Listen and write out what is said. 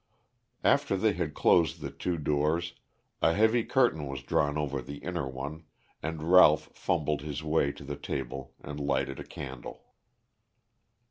After they had closed the two doors, a heavy curtain was drawn over the inner one, and Ralph fumbled his way to the table and lighted a candle.